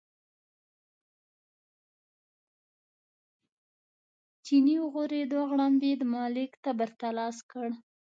چیني وغورېد، وغړمبېد، ملک تبر ته لاس کړ.